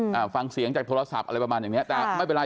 อ่าฟังเสียงจากโทรศัพท์อะไรประมาณอย่างเนี้ยแต่ไม่เป็นไร